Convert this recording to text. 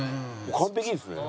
完璧ですね。